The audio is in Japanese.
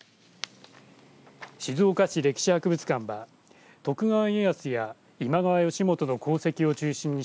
静岡市歴史博物館は徳川家康や今川義元の功績を中心に